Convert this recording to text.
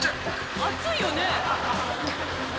熱いよね？